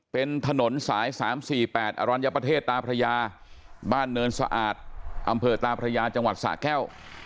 เป็นถนนสาย๓๔๘อรัญญประเทศตาพระยาบ้านเนินสะอาดอำเภอตาพระยาจังหวัดสะแก้ว